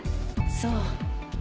そう。